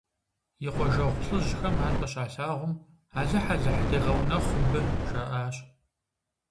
И къуажэгъу лӀыжьхэм ар къыщалъагъум, алыхь – алыхь дегъэунэхъу мыбы, жаӀащ.